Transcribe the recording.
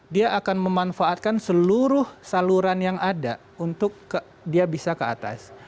dia akan memanfaatkan seluruh saluran yang ada untuk dia bisa ke atas